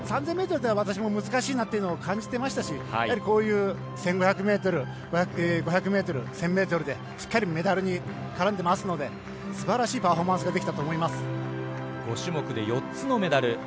３０００ｍでは私も難しいなと感じていましたしこういう１５００ｍ５００ｍ、１０００ｍでしっかりメダルに絡んでいますので素晴らしいパフォーマンスが５種目で４つのメダル。